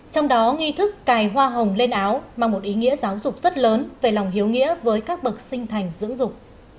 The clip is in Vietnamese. trong đó nghi thức cài hoa hồng lên áo mang một ý nghĩa giáo dục rất lớn về lòng hiếu nghĩa với các bậc sinh thành dưỡng dục